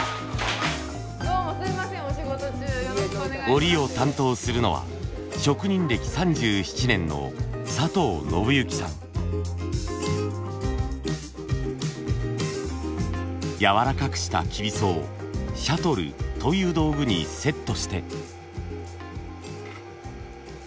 織りを担当するのは職人歴３７年の柔らかくしたきびそをシャトルという道具にセットして。